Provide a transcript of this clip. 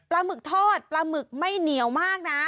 หมึกทอดปลาหมึกไม่เหนียวมากนะ